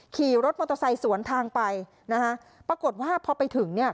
ขี่รถมอเตอร์ไซค์สวนทางไปนะคะปรากฏว่าพอไปถึงเนี่ย